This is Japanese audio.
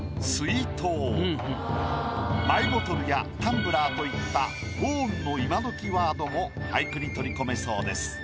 「マイボトル」や「タンブラー」といった５音の今どきワードも俳句に取り込めそうです。